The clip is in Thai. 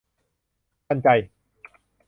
ทันใจ